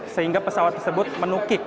sehingga pesawat tersebut menukik